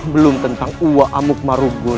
belum tentang uwa amuk marubun